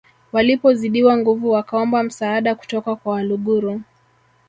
Walipozidiwa nguvu wakaomba msaada kutoka kwa Waluguru